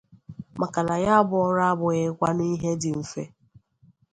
maka na ya bụ ọrụ abụghịkwanụ ihe dị mfe.